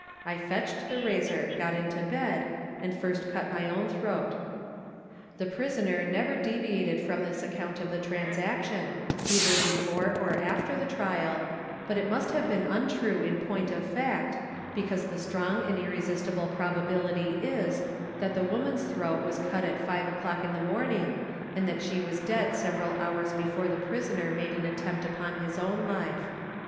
I fetched the razor, got into bed, and first cut my own throat." The prisoner never deviated from this account of the transaction, either before or after the trial, but it must have been untrue in point of fact, because the strong and irresistible probability is, that the woman's throat was cut at five o'clock in the morning, and that she was dead several hours before the prisoner made the attempt upon his own life.